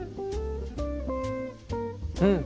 うん！